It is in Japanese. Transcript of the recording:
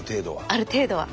ある程度は？